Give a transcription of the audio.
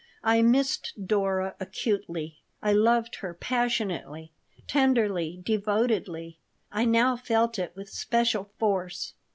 I missed Dora acutely. I loved her passionately, tenderly, devotedly. I now felt it with special force.